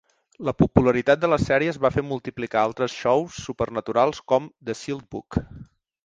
La popularitat de les sèries va fer multiplicar altres shows supernaturals, com "The Sealed Book".